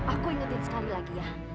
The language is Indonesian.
aku ingetin sekali lagi ya